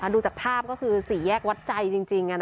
ดูจากภาพก็คือสี่แยกวัดใจจริง